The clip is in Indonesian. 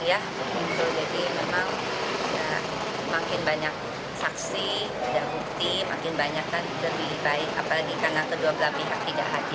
jadi memang makin banyak saksi makin banyak bukti makin banyak lebih baik apalagi karena kedua belah pihak tidak hadir